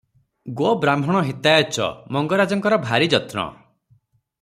'ଗୋ ବ୍ରାହ୍ମଣ ହିତାୟ ଚ' ମଙ୍ଗରାଜଙ୍ଗର ଭାରି ଯତ୍ନ ।